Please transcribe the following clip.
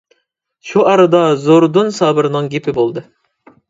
شۇ ئارىدا زوردۇن سابىرنىڭ گېپى بولدى.